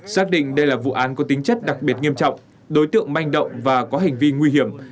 xác định đây là vụ án có tính chất đặc biệt nghiêm trọng đối tượng manh động và có hành vi nguy hiểm